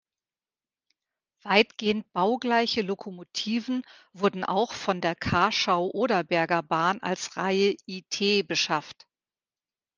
Weitgehend baugleiche Lokomotiven wurden auch von der Kaschau-Oderberger Bahn als Reihe It beschafft.